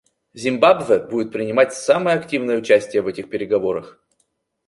Зимбабве будет принимать самое активное участие в этих переговорах.